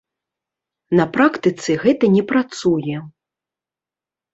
На практыцы гэта не працуе!!!